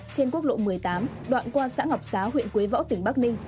trên quốc lộ một mươi tám đoạn qua xã ngọc xá huyện quế võ tỉnh bắc ninh